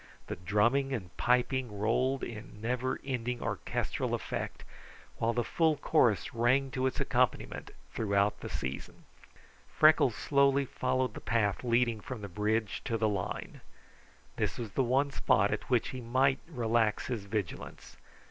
The drumming and piping rolled in never ending orchestral effect, while the full chorus rang to its accompaniment throughout the season. Freckles slowly followed the path leading from the bridge to the line. It was the one spot at which he might relax his vigilance.